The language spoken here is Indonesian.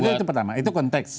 itu pertama itu konteks